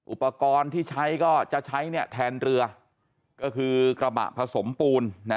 อุปกรณ์ที่ใช้ก็จะใช้แทนเรือก็คือกระบะผสมปูน